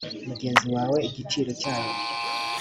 mugenzi wawe igiciro cyayo